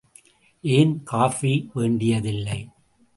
ஏன் காஃபி வேண்டியதில்லை?